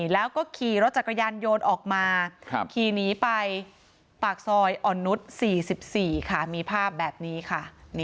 แล้วก็ขี่รถจักรยานโยนออกมาขี่หนีไปปากซอยอ่อนนุษย์๔๔ค่ะมีภาพแบบนี้ค่ะ